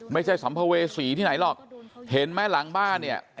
สัมภเวษีที่ไหนหรอกเห็นไหมหลังบ้านเนี่ย